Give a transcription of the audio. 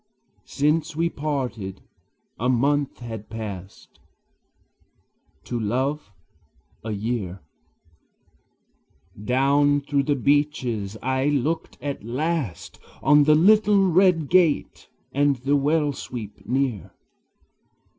Since we parted, a month had passed, To love, a year; Down through the beeches I looked at last On the little red gate and the well sweep near.